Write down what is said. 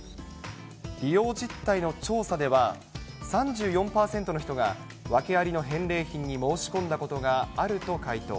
利用実態の調査では、３４％の人が、訳ありの返礼品に申し込んだことがあると回答。